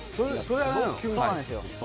そうなんですよ